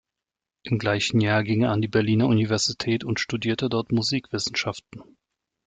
Im gleichen Jahr ging er an die Berliner Universität und studierte dort Musikwissenschaften.